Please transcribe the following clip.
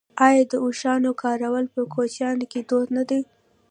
آیا د اوښانو کارول په کوچیانو کې دود نه دی؟